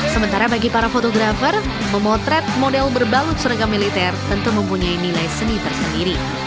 sementara bagi para fotografer memotret model berbalut seragam militer tentu mempunyai nilai seni tersendiri